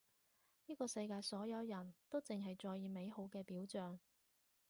呢個世界所有人都淨係在意美好嘅表象